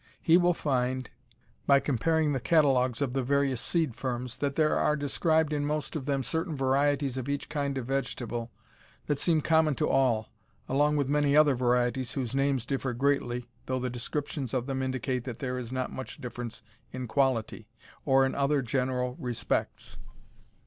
He will find, by comparing the catalogues of the various seed firms, that there are described in most of them certain varieties of each kind of vegetable that seem common to all, along with many other varieties whose names differ greatly, though the descriptions of them indicate that there is not much difference in quality, or in other general respects.